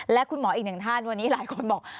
และคุณหมออีกหนึ่งท่านวันนี้หลายคนบอก